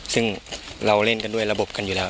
ซึ่งเราเล่นกันด้วยระบบกันอยู่แล้ว